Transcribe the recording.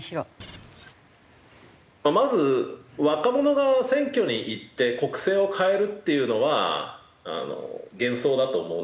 まず若者が選挙に行って国政を変えるっていうのは幻想だと思うんですよね。